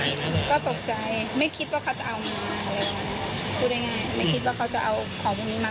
อะไรประมาณนี้พูดได้ง่ายไม่คิดว่าเขาจะเอาของพวกนี้มา